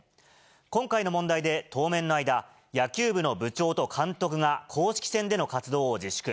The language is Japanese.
今回の問題で、当面の間、野球部の部長と監督が公式戦での活動を自粛。